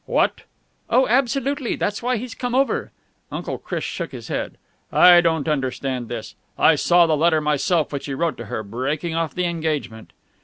"What?" "Oh, absolutely. That's why he's come over." Uncle Chris shook his head. "I don't understand this. I saw the letter myself which he wrote to her, breaking off the engagement."